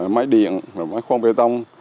máy điện máy khuôn bê tông